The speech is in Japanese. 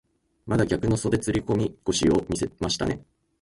また逆の袖釣り込み腰を見せましたね。